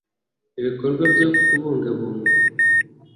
ibikorwa byo kubungabunga